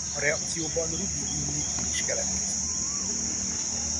A reakcióban rubídium-nitrid is keletkezik.